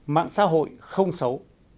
mạng xã hội không xấu